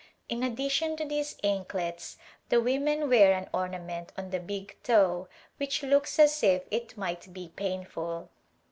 In addition to these anklets the women wear an orna ment on the big toe which looks as if it might be painful.